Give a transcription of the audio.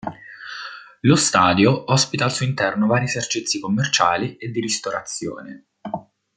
Lo stadio ospita al suo interno vari esercizi commerciali e di ristorazione.